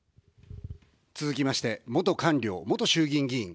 続きまして、元官僚、元衆議院議員。